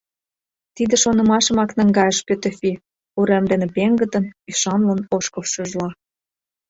Тиде шонымашымак наҥгайыш Пӧтӧфи урем дене пеҥгыдын, ӱшанлын ошкылшыжла.